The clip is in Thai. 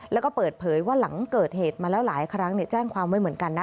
แล้วก็เปิดเผยว่าหลังเกิดเหตุมาแล้วหลายครั้งแจ้งความไว้เหมือนกันนะ